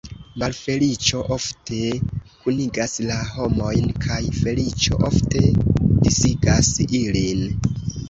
Malfeliĉo ofte kunigas la homojn, kaj feliĉo ofte disigas ilin.